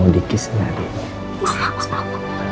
mau dikisah adik